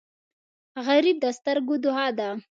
غریب د سترګو دعا ده